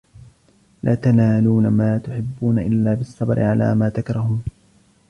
لَا تَنَالُونَ مَا تُحِبُّونَ إلَّا بِالصَّبْرِ عَلَى مَا تَكْرَهُونَ